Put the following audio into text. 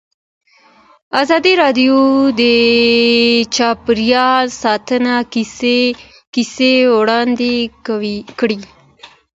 ازادي راډیو د چاپیریال ساتنه کیسې وړاندې کړي.